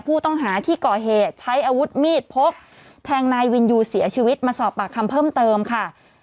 ผู้ต้องหาที่ก่อเหตุใช้อาวุธมีดพกแทงนายวินยูเสียชีวิตมาสอบปากคำเพิ่มเติมค่ะ